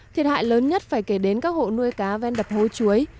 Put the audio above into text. thiệt hại lớn nhất phải kể đến các hộ nuôi cá ven đập hố chuối